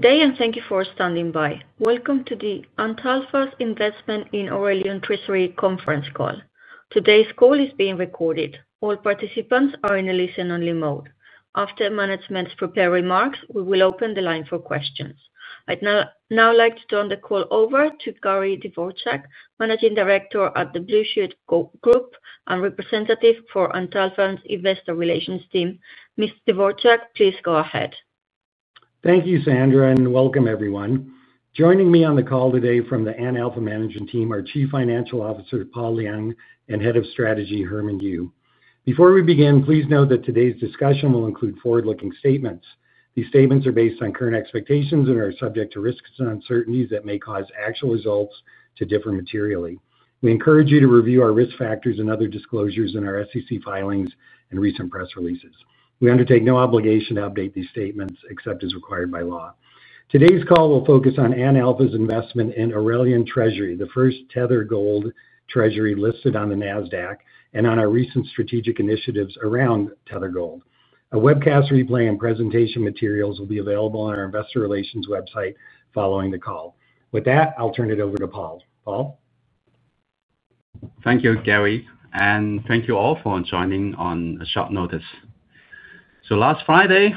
Good day and thank you for standing by. Welcome to the Antalpha's Investment in Aurelian treasury conference call. Today's call is being recorded. All participants are in a listen only mode. After management's prepared remarks, we will open the line for questions. I'd now like to turn the call over to Gary Dvorczak, Managing Director at Blue Shield Group and representative for Antalpha Platform Holding Company’s Investor Relations. Mr. Dvorczak, please go ahead. Thank you, Sandra, and welcome everyone. Joining me on the call today from the Antalpha Management team are Chief Financial Officer Paul Liang and Head of Strategy Herman Yu. Before we begin, please note that today's discussion will include forward-looking statements. These statements are based on current expectations and are subject to risks and uncertainties that may cause actual results to differ materially. We encourage you to review our risk factors and other disclosures in our SEC filings and recent press releases. We undertake no obligation to update these statements except as required by law. Today's call will focus on Antalpha's investment in Aurelian treasury, the first Tether Gold treasury listed on the Nasdaq, and on our recent strategic initiatives around Tether Gold. A webcast replay and presentation materials will be available on our investor relations website following the call. With that, I'll turn it over to Paul. Paul. Thank you, Gary, and thank you all for joining on short notice. Last Friday,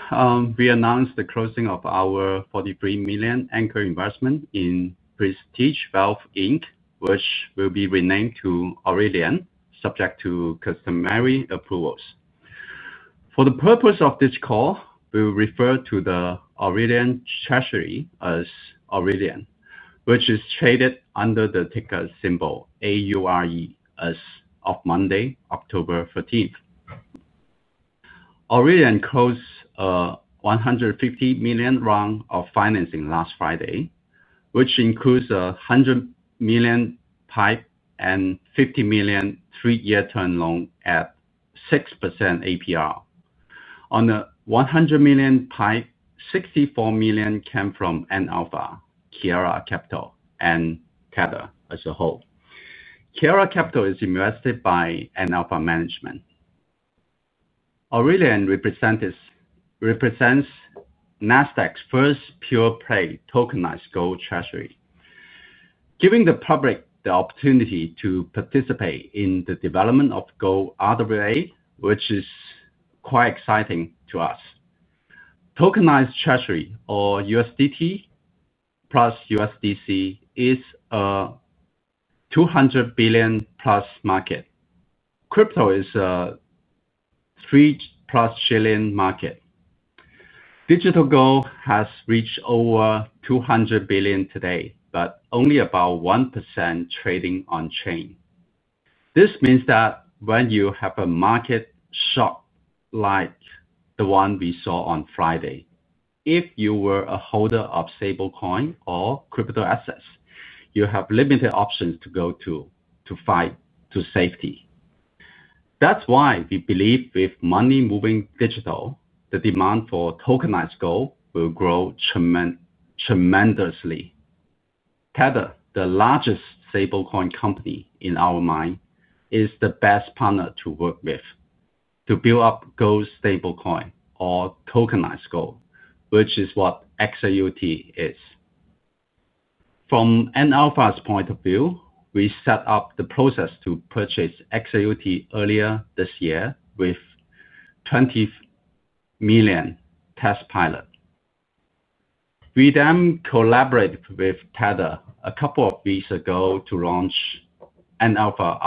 we announced the closing of our $43 million anchor investment in Prestige Valve Inc., which will be renamed to Aurelian subject to customary approvals. For the purpose of this call, we will refer to the Aurelian treasury as Aurelian, which is traded under the ticker symbol AURE as of Monday, October 13. Aurelian closed a $150 million round of financing last Friday, which includes a $100 million PIPE and a $50 million three-year term loan at 6% APR. On the $100 million PIPE, $64 million came from Antalpha, Kiara Capital, and Tether as a whole. Kiara Capital is invested by Antalpha Management. Aurelian represents Nasdaq's first pure play tokenized gold treasury, giving the public the opportunity to participate in the development of gold RWA, which is quite exciting to us. Tokenized treasury, or USDT plus USDC, is a $200 billion plus market. Crypto is a $3 trillion market. Digital gold has reached over $200 billion today, but only about 1% is trading on chain. This means that when you have a market shock like the one we saw on Friday, if you were a holder of stablecoin or crypto assets, you have limited options to go to for flight to safety. That's why we believe with money moving digital, the demand for tokenized gold will grow tremendously. Tether, the largest stablecoin company in our mind, is the best partner to work with to build up gold stablecoin or tokenized gold, which is what XAUT is from Antalpha's point of view. We set up the process to purchase XAUT earlier this year with a $20 million test pilot. We then collaborated with Tether a couple of weeks ago to launch Antalpha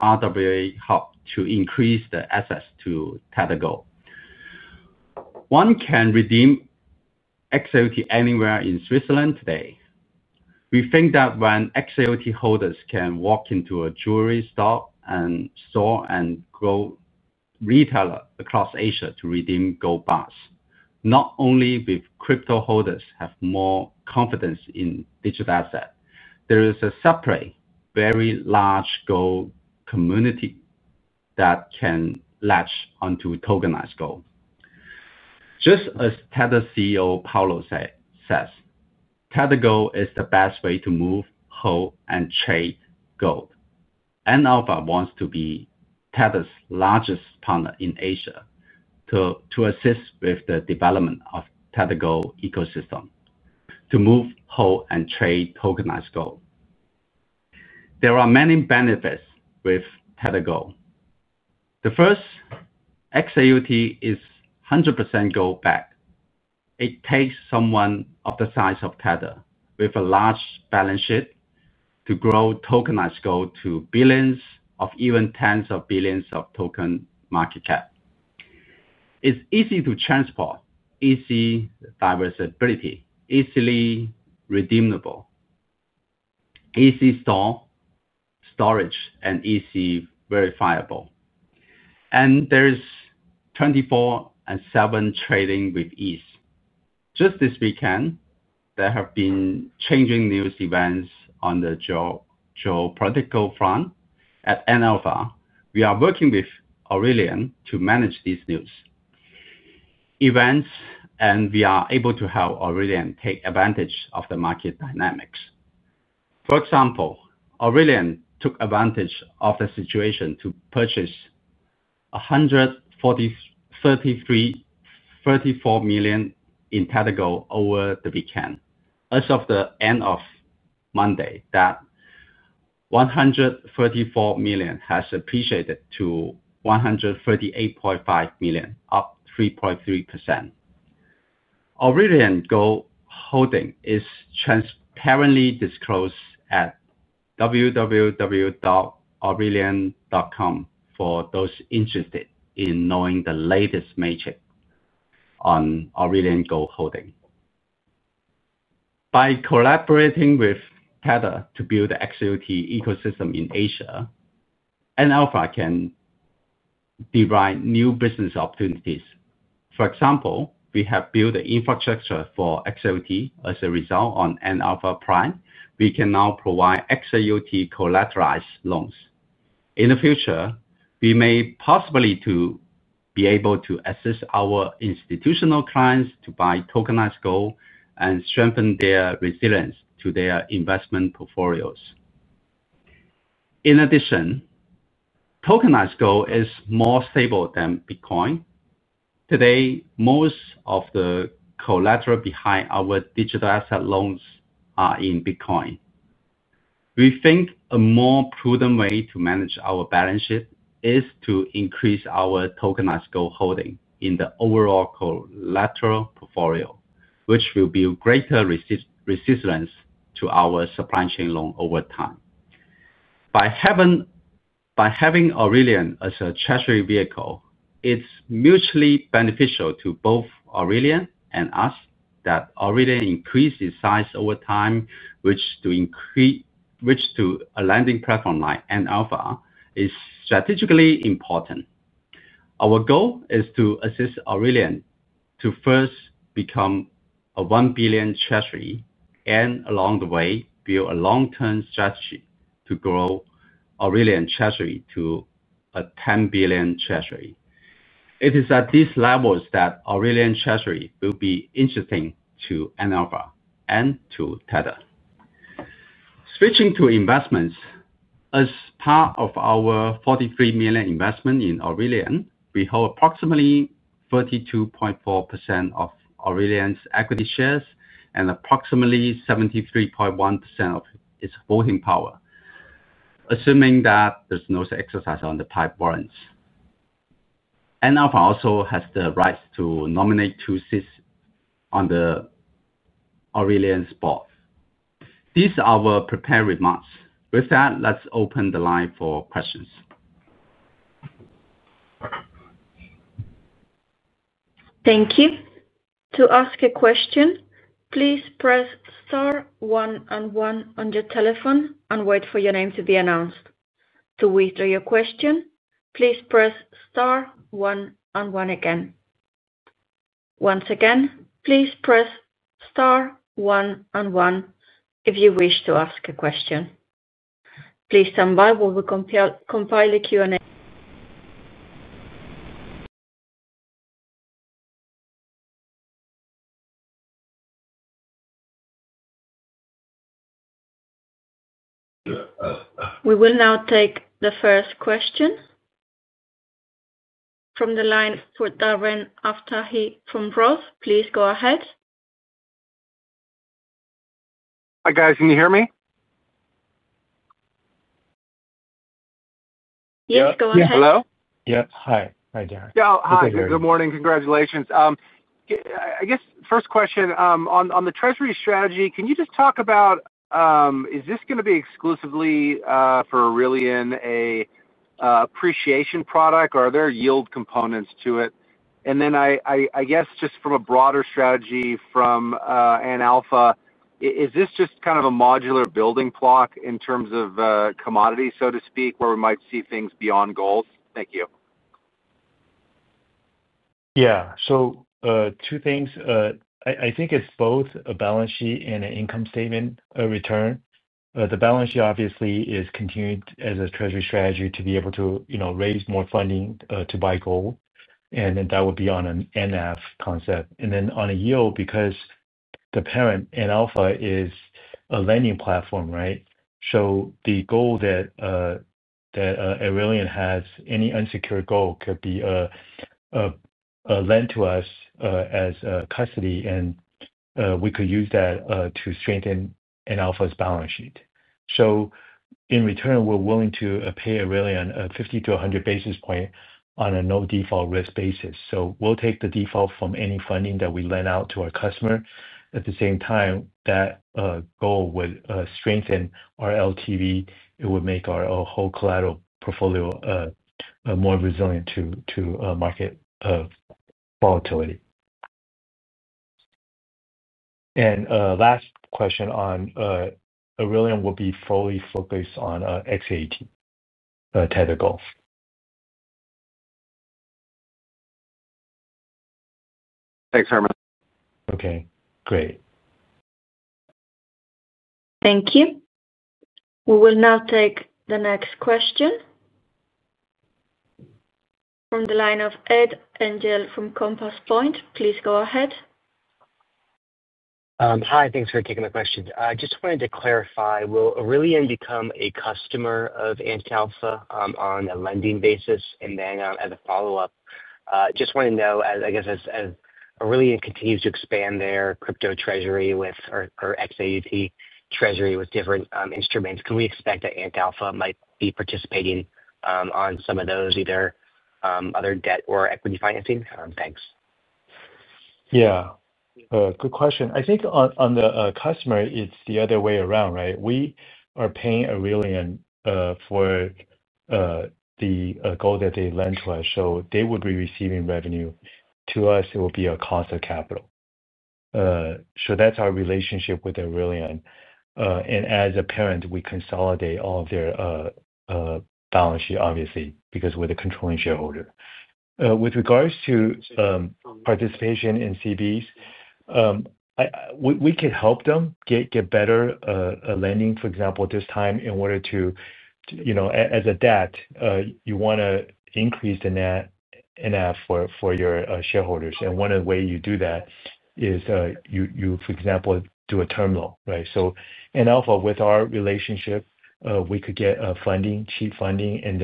RWA Hub to increase the access to Tether Gold. One can redeem XAUT anywhere in Switzerland today. We think that when XAUT holders can walk into a jewelry store and gold retailer across Asia to redeem gold bars, not only will crypto holders have more confidence in digital assets, there is a separate very large gold community that can latch onto tokenized gold. Just as Tether CEO Paolo says, Tether Gold is the best way to move, hold, and chase to gold, and Antalpha wants to be Tether's largest partner in Asia to assist with the development of the Tether Gold ecosystem to move, hold, and trade tokenized gold. There are many benefits with Tether Gold. The first, XAUT is 100% gold backed. It takes someone of the size of Tether with a large balance sheet to grow tokenized gold to billions or even tens of billions of token market cap. It's easy to transport, easy diversity, easily redeemable, easy storage, and easily verifiable. There is 24/7 trading with ease. Just this weekend, there have been changing news events on the geopolitical front. At Antalpha, we are working with Aurelian to manage these news events, and we are able to help Aurelian take advantage of the market dynamics. For example, Aurelian took advantage of the situation to purchase $133.34 million in XAUT over the weekend. As of the end of Monday, that $133.4 million has appreciated to $138.5 million, up 3.3%. Aurelian Gold holding is transparently disclosed at www.aurelian.com. For those interested in knowing the latest metric on Aurelian Gold holding, by collaborating with Tether to build the XAUT ecosystem in Asia, Antalpha can derive new business opportunities. For example, we have built an infrastructure for XAUT. As a result, on Antalpha Prime, we can now provide XAUT-collateralized loans. In the future, we may possibly be able to assist our institutional clients to buy tokenized gold and strengthen the resilience of their investment portfolios. In addition, tokenized gold is more stable than Bitcoin. Today, most of the gold collateral behind our digital asset loans are in Bitcoin. We think a more prudent way to manage our balance sheet is to increase our tokenized gold holding in the overall collateral portfolio, which will build greater resistance to our supply chain loan over time. By having Aurelian as a treasury vehicle, it's mutually beneficial to both Aurelian and us that Aurelian increases size over time. Reach to a lending platform like Antalpha is strategically important. Our goal is to assist Aurelian to first become a $1 billion treasury and along the way build a long-term strategy to grow Aurelian treasury to a $10 billion treasury. It is at these levels that Aurelian treasury will be interesting to Antalpha and to Tether. Switching to investments, as part of our $43 million investment in Aurelian, we hold approximately 32.4% of Aurelian's equity shares and approximately 73.1% of its equity voting power. Assuming that there's no exercise on the PIPE warrants, Antalpha Platform Holding Company also has the rights to nominate two seats on the Aurelian board. These are our prepared remarks. With that, let's open the line for questions. Thank you. To ask a question, please press 1 and 1 on your telephone and wait for your name to be announced. To withdraw your question, please press star 1 and 1 again. Once again, please press star 1 and 1. If you wish to ask a question, please stand by while we compile the Q&A. We will now take the first question from the line for Darren Aftahi from Ross, please go ahead. Hi guys, can you hear me? Yes, go ahead. Hello? Yep. Hi, hi Darren. Hi. Good morning. Congratulations. First question on the treasury strategy, can you just talk about is this going to be exclusively for Aurelian. Appreciation product, are there yield components to it? I guess just from a broader strategy from Antalpha, is this. Just kind of a modular building block. In terms of commodities, so to speak. Where we might see things beyond goals? Thank you. Yeah, so two things. I think it's both a balance sheet and an income statement return. The balance sheet obviously is continued as a Treasury strategy to be able to, you know, raise more funding to buy gold. That would be on an NF concept and then on a yield because the parent Antalpha is a lending platform. Right. The goal that Aurelian has, any unsecured gold could be lent to us as custody and we could use that to strengthen Antalpha's balance sheet. In return we're willing to pay Aurelian a 50 to 100 basis point on a no default risk basis. We'll take the default from any funding that we lend out to our customer. At the same time, that gold would strengthen our LTV. It would make our whole collateral portfolio more resilient to market volatility. Last question on Aurelian will be fully focused on XAUT Tether Gold. Thanks Herman. Okay, great. Thank you. We will now take the next question from the line of Ed Angel from Compass Point. Please go ahead. Hi, thanks for taking the question. I just wanted to clarify, will Aurelian become a customer of Antalpha on a lending basis? As a follow up, just want to know, I guess as Aurelian continues to expand their crypto treasury or XAUT treasury with different instruments, can we expect that Antalpha might be participating on some of those, either other debt or equity financing? Thanks. Yeah, good question. I think on the customer it's the other way around, right? We are paying really for the gold that they lend to us. So they would be receiving revenue, to us it will be a cost of capital. That's our relationship with Aurelian. As a parent, we consolidate all of their balance sheet, obviously because we're the controlling shareholder. With regards to participation in CBs, we could help them get better lending. For example, this time in order to, as a debt, you want to increase the net enough for your shareholders. One of the ways you do that is you, for example, do a term loan, right? So Antalpha, with our relationship, we could get funding, cheap funding, and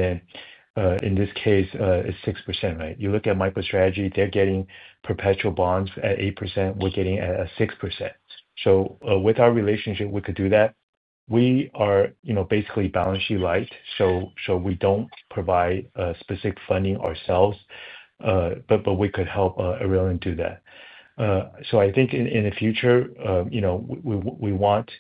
in this case it's 6%. You look at MicroStrategy, they're getting perpetual bonds at 8%, we're getting at 6%. With our relationship, we could do that. We are basically balance sheet light, so we don't provide specific funding ourselves, but we could help Aurelian do that. I think in the future we want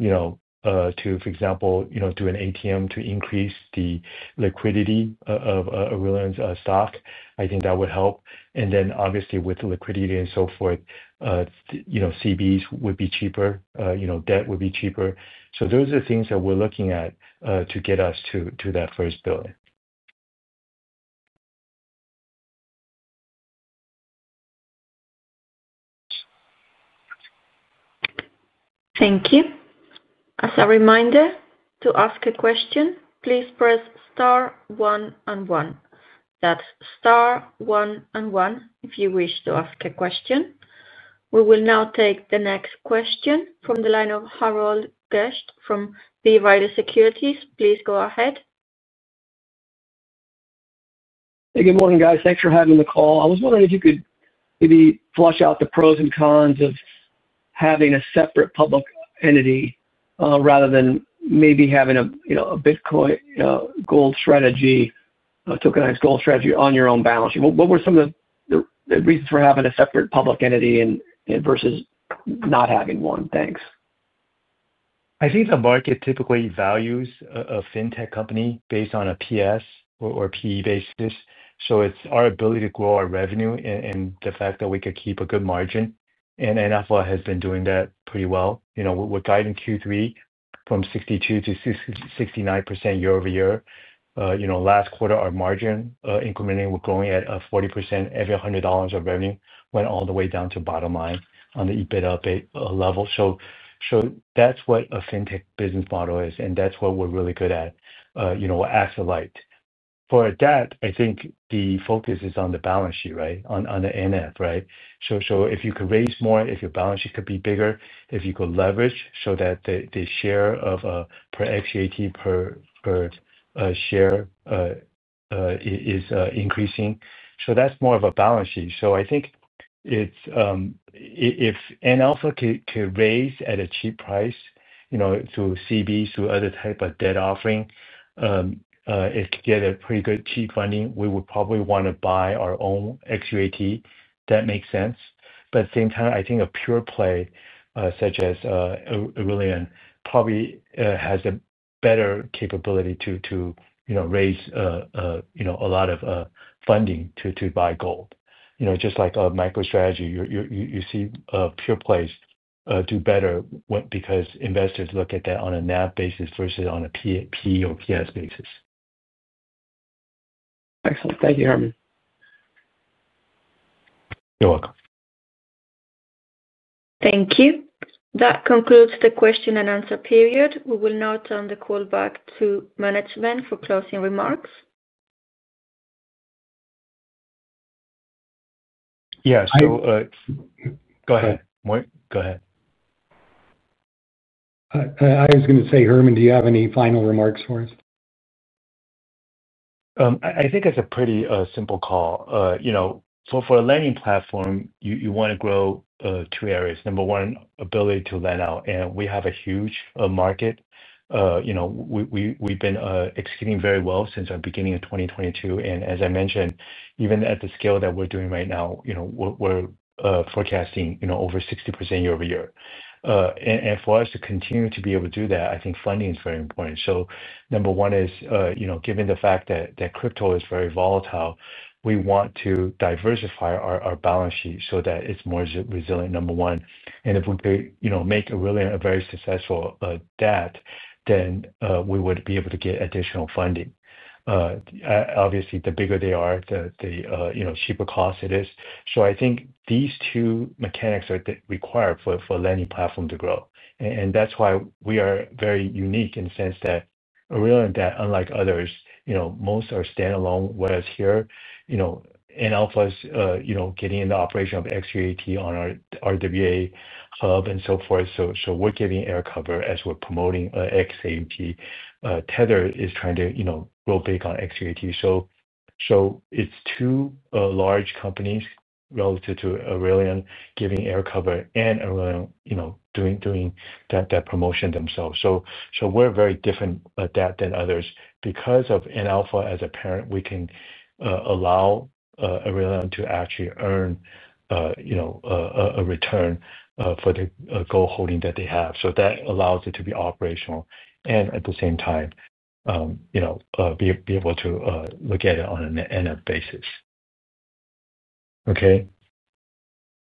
to, for example, do an ATM to increase the liquidity of Aurelian's stock. I think that would help. Obviously, with liquidity and so forth, CBs would be cheaper, debt would be cheaper. Those are the things that we're looking at to get us to that first billion. Thank you. As a reminder, to ask a question, please press Star one and one. That's Star one and one. If you wish to ask a question, we will now take the next question from the line of Harold Gest from B. Vital Securities. Please go ahead. Good morning, guys. Thanks for having the call. I was wondering if you could maybe flesh out the pros and cons of having a separate public entity rather than maybe having a Bitcoin gold strategy, tokenized gold strategy on your own balance sheet. What were some of the reasons for having a separate public entity versus not having one? Thanks. I think the market typically values a fintech company based on a P/S or P/E basis. It's our ability to grow our revenue and the fact that we could keep a good margin. Antalpha has been doing that pretty well. We're guiding Q3 from 62% to 69% year over year. Last quarter, our margin incrementally were growing at 40%. Every $100 of revenue went all the way down to bottom line on the EBIT. That's what a fintech business model is and that's what we're really good at. You know, exactly for that. I think the focus is on the balance sheet, right on the NAV, right. If you could raise more, if your balance sheet could be bigger, if you could leverage so that the NAV per share is increasing, that's more of a balance sheet. I think if Antalpha could raise at a cheap price through CBs, through other type of debt offering, it could get a pretty good cheap funding. We would probably want to buy our own XAUT. That makes sense. At the same time, I think a pure play such as Aurelian probably has a better capability to raise a lot of funding to buy gold. Just like a MicroStrategy, you see pure plays do better because investors look at that on a NAV basis versus on a P/E or P/S basis. Excellent. Thank you, Herman. You're welcome. Thank you. That concludes the question and answer period. We will now turn the call back to management for closing remarks. Go ahead. I was going to say, Herman, do you have any final remarks for us? I think it's a pretty simple call. For a lending platform, you want to grow two areas. Number one, ability to lend out, and we have a huge market. We've been executing very well since our beginning of 2022. As I mention, even at the scale that we're doing right now, we're forecasting over 60% year over year. For us to continue to be able to do that, I think funding is very important. Number one is given the fact that crypto is very volatile, we want to diversify our balance sheet so that it's more resilient. If we could make a very successful debt, then we would be able to get additional funding. Obviously, the bigger they are, the cheaper cost it is. I think these two mechanics are required for a lending platform to grow. That's why we are very unique in the sense that unlike others, most are standalone, whereas here Antalpha is getting in the operation of XAUT on our RWA hub and so forth. We're giving air cover as we're promoting. Tether is trying to grow big on XAUT, so it's two large companies relative to Aurelian giving air cover and doing that promotion themselves. We're very different at that than others. Because of Antalpha as a parent, we can allow Aurelian to actually earn a return for the gold holding that they have. That allows it to be operational and at the same time, you know, be able to look at it on an NF basis. Okay,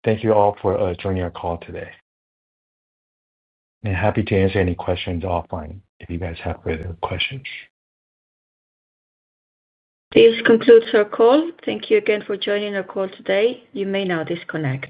thank you all for joining our call today and happy to answer any questions offline if you guys have further questions. This concludes our call. Thank you again for joining our call today. You may now disconnect.